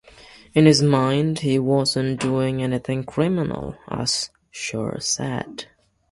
In his mind, he wasn't doing anything criminal, as Shur said.